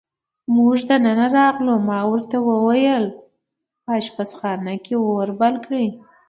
موږ دننه راغلو، ما ورته وویل: په اشپزخانه کې اور بل کړئ.